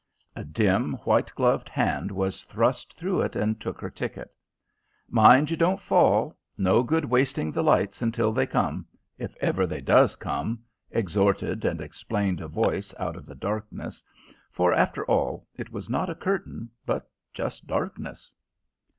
A dim white gloved hand was thrust through it and took her ticket. "Mind you don't fall no good wasting the lights until they come if ever they does come," exhorted and explained a voice out of the darkness; for, after all, it was not a curtain, but just darkness.